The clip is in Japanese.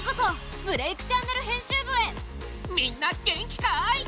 みんな元気かい？